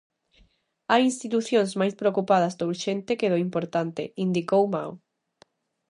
"Hai institucións máis preocupadas do urxente que do importante", indicou Mao.